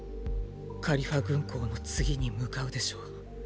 カリファ軍港の次に向かうでしょう。